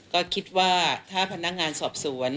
ก็คิดว่าถ้าพนักงานสอบสวน